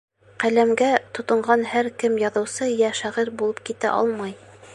Ҡәләмгә тотонған һәр кем яҙыусы йә шағир булып китә алмай.